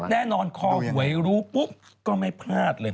แน่นอนคอหวยรู้ปุ๊บก็ไม่พลาดเลย